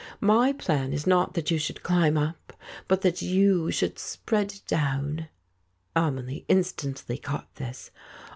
My plan is not that you should climb up, but that you should spread down." Amelie instantly caught this.